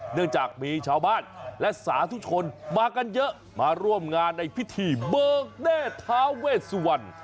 เนื่องจากมีชาวบ้านและสาธุชนมากันเยอะมาร่วมงานในพิธีเบิกเนธท้าเวสวรรณ